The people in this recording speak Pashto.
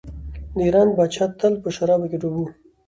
د ایران پاچا تل په شرابو کې ډوب و.